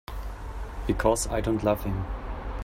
Because I don't love him.